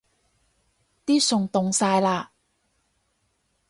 啲餸凍晒喇